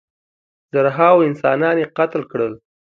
زرهاوو انسانان یې قتل کړل.